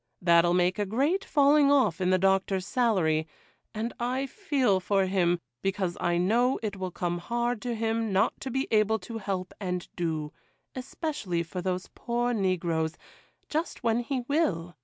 That'll make a great falling off in the Doctor's salary; and I feel for him, because I know it will come hard to him not to be able to help and do, especially for these poor negroes, just when he will.